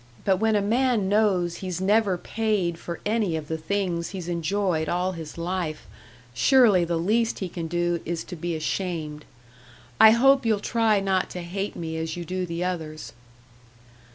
But when a man knows he's never paid for any of the things he's enjoyed all his life, surely the least he can do is to be ashamed. I hope you'll try not to hate me as you do the others."